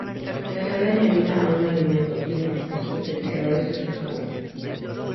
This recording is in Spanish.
La sal añadida a un alimento tiene efectos potenciadores de su sabor.